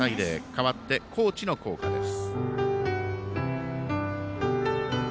変わって、高知の校歌です。